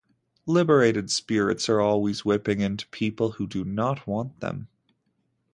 Liberated spirits are always whipping into people who do not want them.